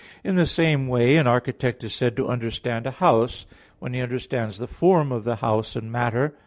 In the same way, an architect is said to understand a house, when he understands the form of the house in matter.